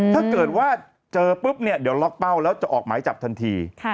ถ้าเกิดว่าเจอปุ๊บเนี่ยเดี๋ยวล็อกเป้าแล้วจะออกหมายจับทันที